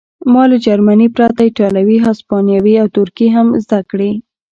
ما له جرمني پرته ایټالوي هسپانوي او ترکي هم زده کړې